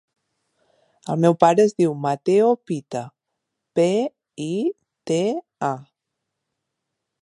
El meu pare es diu Matteo Pita: pe, i, te, a.